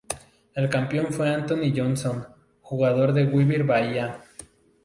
El campeón fue Anthony Johnson, jugador de Weber Bahía.